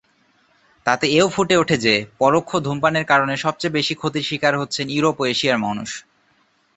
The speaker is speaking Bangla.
তাতে এও ফুটে ওঠে যে, পরোক্ষ ধূমপানের কারণে সবচেয়ে বেশি ক্ষতির স্বীকার হচ্ছেন ইউরোপ ও এশিয়ার মানুষ।